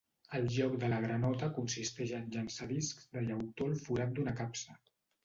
El joc de la granota consisteix en llançar discs de llautó al forat d'una capsa.